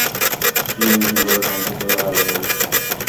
Keeling he worked on steel alloys.